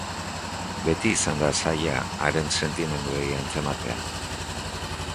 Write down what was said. Beti izan da zaila haren sentimenduei antzematea.